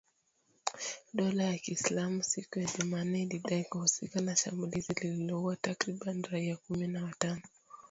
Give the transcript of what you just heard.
Dola ya Kiislamu siku ya Jumanne lilidai kuhusika na shambulizi lililoua takribani raia kumi na watano.